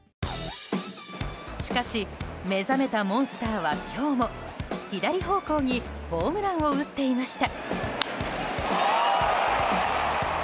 しかし目覚めたモンスターは今日も左方向にホームランを打っていました。